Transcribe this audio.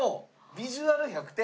ビジュアル１００点。